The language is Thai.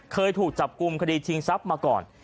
เคยถูกจับกลุ่มคดีชิงทรัพย์มาก่อน